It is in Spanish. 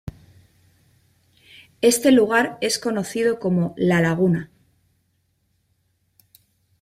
Este lugar es conocido como ""La Laguna"".